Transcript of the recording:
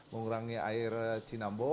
mengurangi air cinambo